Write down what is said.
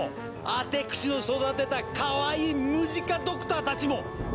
アテクシの育てたかわいいムジカ・ドクターたちも！